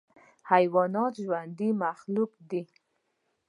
حیوانات ژوندی مخلوق دی.